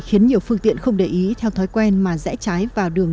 khiến nhiều phương tiện không để ý theo thói quen mà rẽ trái vào đường